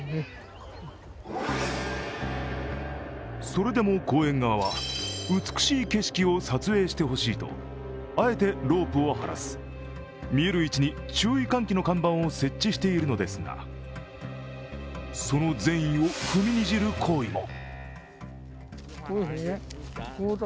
それでも公園側は、美しい景色を撮影してほしいとあえて、ロープを張らず見える位置に注意喚起の看板を設置しているのですがその善意を踏みにじる行為も。